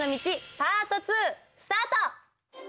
スタート！